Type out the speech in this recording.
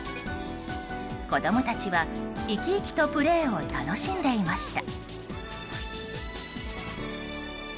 子供たちは生き生きとプレーを楽しんでいました。